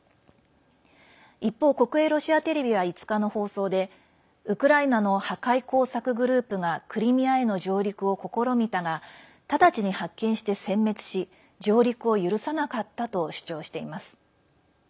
一方、国営ロシアテレビは５日の放送でウクライナの破壊工作グループがクリミアへの上陸を試みたが直ちに発見して、せん滅し上陸を許さなかったと主張しています。